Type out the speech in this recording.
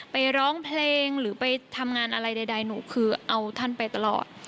ร้องเพลงหรือไปทำงานอะไรใดหนูคือเอาท่านไปตลอด